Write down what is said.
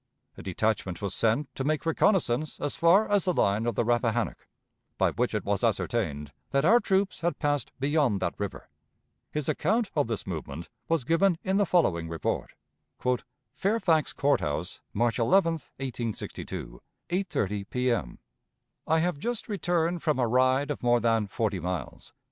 A detachment was sent to make reconnaissance as far as the line of the Rappahannock, by which it was ascertained that our troops had passed beyond that river. His account of this movement was given in the following report: "FAIRFAX COURT HOUSE, March 11, 1862, 8.30 P.M. "I have just returned from a ride of more than forty miles.